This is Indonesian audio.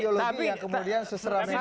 ideologi yang kemudian seserah mega